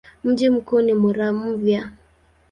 Mji mkuu ni Muramvya.